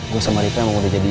gue sama rita mau dijadian